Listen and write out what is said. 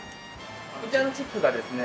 こちらのチップがですね